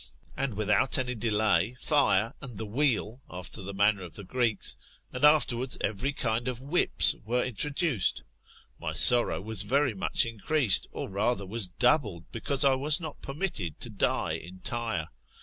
And, without any delay, fire, and the wheel, after the manner of the Greeks, and afterwards every kind of whips, were introduced. My sorrow was very much increased, or rather was doubled, because I was not permitted to die entire.